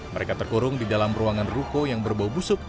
mereka terkurung di dalam ruangan ruko yang berbau busuk